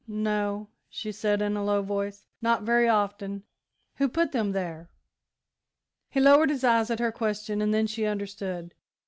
"No," she said, in a low voice, "not very often. Who put them there?" He lowered his eyes at her question, and then she understood.